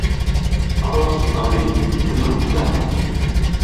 Aro tup a viŋ vur naŋ guta.